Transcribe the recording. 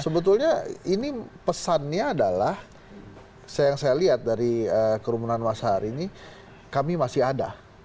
sebetulnya ini pesannya adalah yang saya lihat dari kerumunan masa hari ini kami masih ada